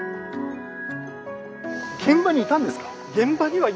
現場にいたんですか？